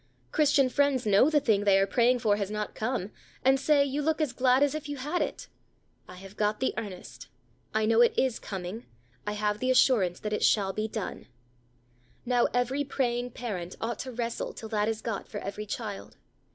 Christian friends know the thing they are praying for has not come, and say, "You look as glad as if yon had it;" "I have got the earnest: I know it is coming: I have the assurance that it shall be done." Now, every praying parent ought to wrestle till that is got for every child.